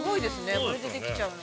これでできちゃうんだ。